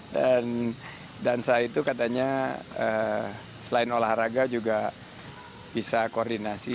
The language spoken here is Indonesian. dan dansa itu katanya selain olahraga juga bisa koordinasi